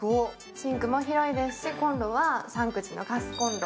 シンクも広いですし、コンロは３口のガスコンロ。